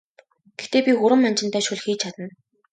Гэхдээ би хүрэн манжинтай шөл хийж чадна!